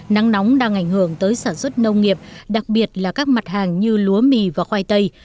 nắng nóng đang ảnh hưởng tới sản xuất nông nghiệp đặc biệt là các mặt hàng như lúa mì và khoai tây